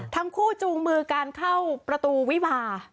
ทั้งคู่จูงมือการเข้าประตูวิพา